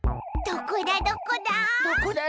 どこだどこだ？